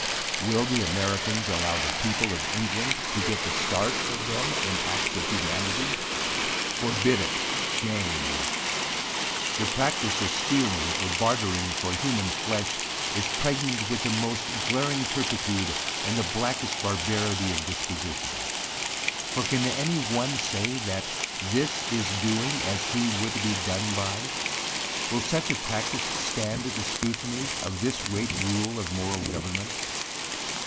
3 Will the Americans allow the people of England to get the start of them in acts of humanity? Forbid it shame! The practice of stealing, or bartering for human flesh is pregnant with the most glaring turpitude, and the blackest barbarity of disposition. For can any one say, that this is doing as he would be done by? Will such a practice stand the scrutiny of this great rule of moral government?